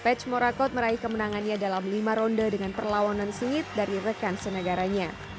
pech morakot meraih kemenangannya dalam lima ronde dengan perlawanan singgit dari rekan senagaranya